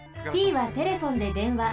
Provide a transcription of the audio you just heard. Ｔはテレフォンで電話。